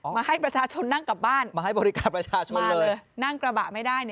มาให้ประชาชนนั่งกลับบ้านมาเลยนั่งกระบะไม่ได้